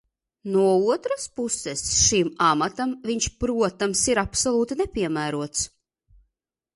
No otras puses, šim amatam viņš, protams, ir absolūti nepiemērots.